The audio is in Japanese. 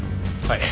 はい。